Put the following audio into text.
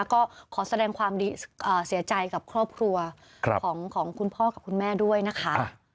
ก็ขอแสดงความเสียใจกับครอบครัวของคุณพ่อกับคุณแม่ด้วยนะคะ